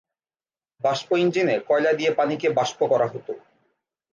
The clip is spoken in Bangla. বাষ্প ইঞ্জিনে কয়লা দিয়ে পানিকে বাষ্প করা হত।